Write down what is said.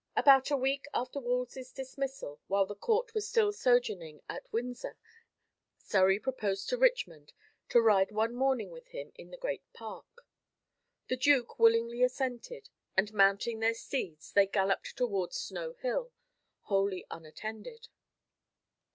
About a week after Wolsey's dismissal, while the court was still sojourning at Windsor, Surrey proposed to Richmond to ride one morning with him in the great park. The Duke willingly assented, and mounting their steeds, they galloped towards Snow Hill, wholly unattended.